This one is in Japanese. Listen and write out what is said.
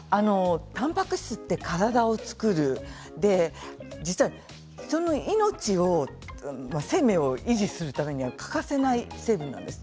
たんぱく質は体を作る、人の命生命を維持するためには欠かせない成分なんです。